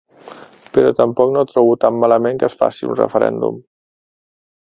Però tampoc no trobo tan malament que es faci un referèndum.